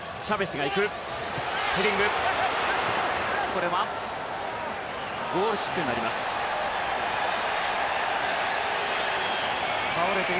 これはゴールキックになりました。